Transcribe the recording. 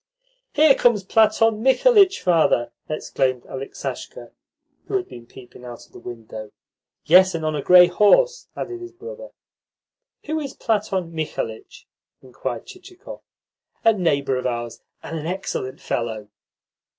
"Here comes Platon Mikhalitch, father!" exclaimed Aleksasha, who had been peeping out of the window. "Yes, and on a grey horse," added his brother. "Who is Platon Mikhalitch?" inquired Chichikov. "A neighbour of ours, and an excellent fellow."